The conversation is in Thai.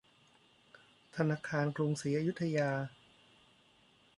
ธนาคารกรุงศรีอยุธยา